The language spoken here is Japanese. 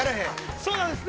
◆そうなんですね。